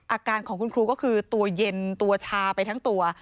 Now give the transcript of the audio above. อาการของคุณครูก็คือตัวเย็นตัวชาไปทั้งตัว